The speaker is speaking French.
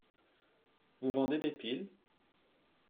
Vous vendez des piles ?